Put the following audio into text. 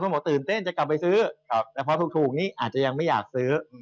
พอถูกนี้อาจยังไม่อยากซื้อ